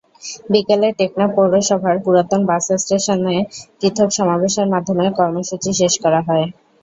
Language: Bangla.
বিকেলে টেকনাফ পৌরসভার পুরাতন বাসস্টেশনে পৃথক সমাবেশের মাধ্যমে কর্মসূচি শেষ করা হয়।